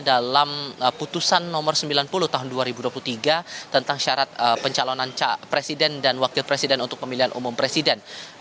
dalam putusan nomor sembilan puluh tahun dua ribu dua puluh tiga tentang syarat pencalonan presiden dan wakil presiden untuk pemilihan umum presiden